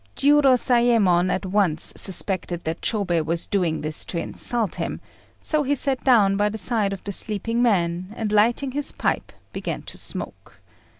Jiurozayémon at once suspected that Chôbei was doing this to insult him; so he sat down by the side of the sleeping man, and lighting his pipe began to smoke.